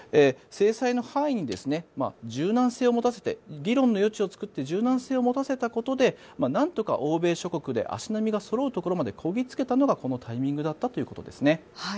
制裁の範囲に柔軟性を持たせて議論の余地を作って柔軟性を持たせたことでなんとか欧米諸国で足並みがそろうところまでこぎ着けたのがこのタイミングだったということです。